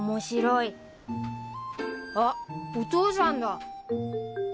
あっお父さんだ。